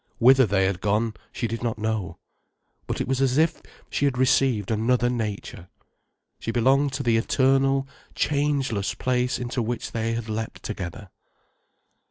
Whither they had gone, she did not know. But it was as if she had received another nature. She belonged to the eternal, changeless place into which they had leapt together.